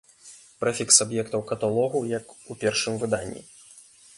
Прэфікс аб'ектаў каталогу як у першым выданні.